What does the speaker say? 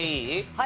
はい。